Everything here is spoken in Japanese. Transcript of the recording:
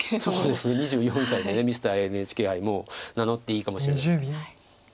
そうですね２４歳でミスターＮＨＫ杯もう名乗っていいかもしれない。